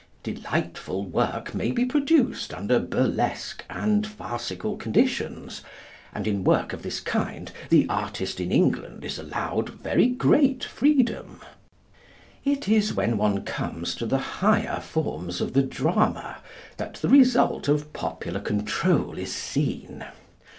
Delightful work may be produced under burlesque and farcical conditions, and in work of this kind the artist in England is allowed very great freedom. It is when one comes to the higher forms of the drama that the result of popular control is seen.